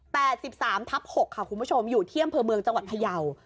สิบสามทับหกค่ะคุณผู้ชมอยู่ที่อำเภอเมืองจังหวัดพยาว